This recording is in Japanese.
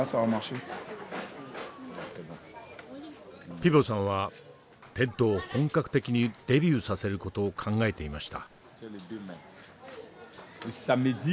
ピヴォさんはテッドを本格的にデビューさせる事を考えていました。